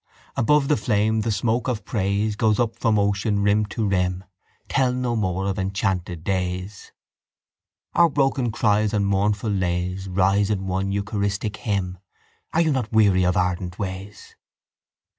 Above the flame the smoke of praise Goes up from ocean rim to rim. Tell no more of enchanted days. Our broken cries and mournful lays Rise in one eucharistic hymn. Are you not weary of ardent ways?